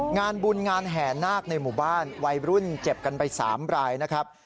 งานบุญงานแห่นาคในหมู่บ้านวัยรุ่นเจ็บกันไป๓รายนะครับ